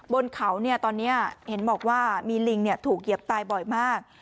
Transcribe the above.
บนเขาตอนนี้เห็นบอกว่ามีลิงถูกเหยียบตายบ่อยมาก